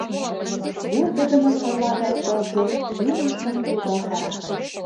Вурдыдымо сорла гай тылзе тӱлыжгын волгалтара.